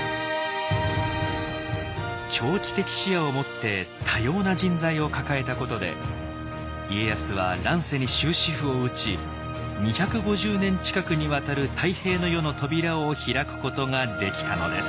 長期的視野をもって多様な人材を抱えたことで家康は乱世に終止符を打ち２５０年近くにわたる太平の世の扉を開くことができたのです。